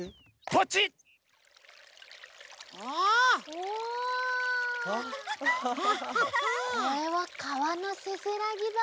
これはかわのせせらぎだ。